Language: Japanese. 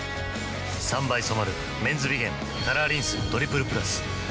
３倍染まる「メンズビゲンカラーリンストリプルプラス」